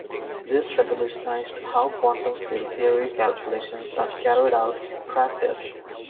This revolutionized how quantum field theory calculations are carried-out in practice.